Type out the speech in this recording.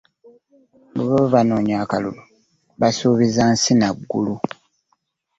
Bwe baba banoonya akalulu basuubiza nsi na ggulu.